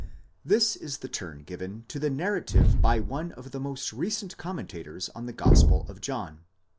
'This is the turn given to the narrative by one of the most recent commentators on the gospel of John.